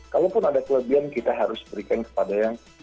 kalaupun ada kelebihan kita harus berikan kepada yang